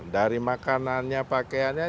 dari makanannya pakaiannya